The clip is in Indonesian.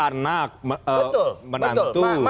anak menantu adik ipar